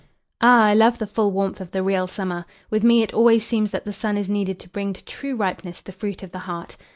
"Ah, I love the full warmth of the real summer. With me it always seems that the sun is needed to bring to true ripeness the fruit of the heart."